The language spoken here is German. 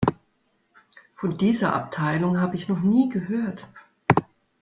Von dieser Abteilung habe ich noch nie gehört.